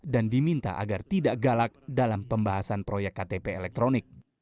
dan diminta agar tidak galak dalam pembahasan proyek ktp elektronik